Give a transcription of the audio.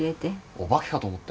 お化けかと思ったよ。